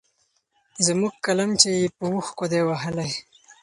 زموږ قلم چي يې په اوښکو دی وهلی